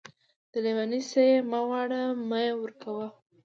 د لېوني څه يې مه غواړه ،مې ورکوه.